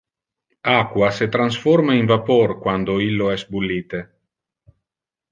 Aqua se transforma in vapor quando illo es bullite.